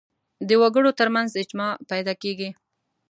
د وګړو تر منځ اجماع پیدا کېږي